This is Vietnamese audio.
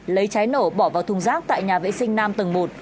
lấy trái nổ bỏ vào thùng rác tại nhà vệ sinh nam tầng một